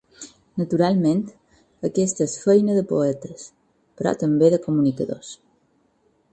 Naturalment, aquesta és feina de poetes, però també de comunicadors.